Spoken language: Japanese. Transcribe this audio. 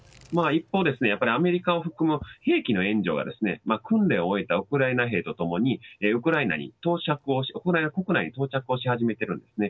一方、アメリカを含む兵器の援助が訓練を終えたウクライナ兵と共にウクライナに到着をし始めているんですね。